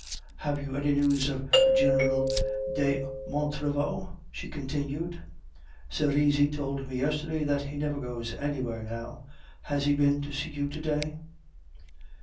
"Have you any news of General de Montriveau?" she continued. "Serizy told me yesterday that he never goes anywhere now; has he been to see you to day?"